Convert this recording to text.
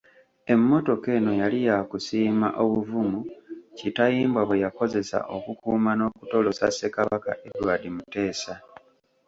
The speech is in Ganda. Emmotoka eno yali yakusiima obuvumu Kitayimbwa bwe yakozesa okukuuma n’okutolosa Ssekabaka Edward Muteesa.